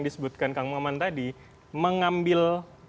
disebutkan kang maman tadi mengambil